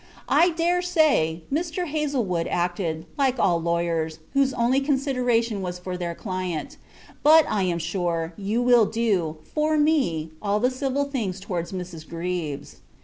I dare say, Mr. Hazelwood acted, like all lawyers, whose only consideration was for their client: but, I am sure, you will do, for me, all the civil things towards Mrs. Greaves.